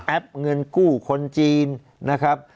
เงินกู้คนจีนนะครับ